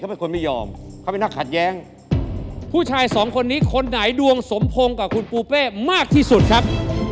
ผมว่าคุณเสอครับ